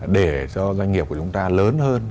để cho doanh nghiệp của chúng ta lớn hơn